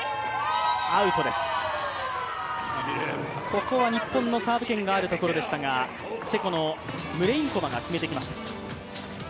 ここは日本のサーブ権があるところでしたが、チェコのムレインコバが決めてきました。